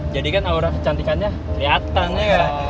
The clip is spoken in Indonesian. jadi kan aura kecantikannya keliatan ya